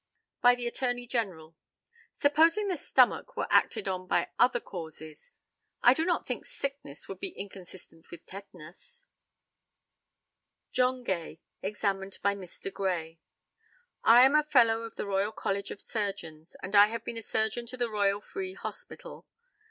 By the ATTORNEY GENERAL: Supposing the stomach were acted on by other causes, I do not think sickness would be inconsistent with tetanus. JOHN GAY, examined by Mr. GRAY: I am a Fellow of the Royal College of Surgeons, and I have been a surgeon to the Royal Free Hospital.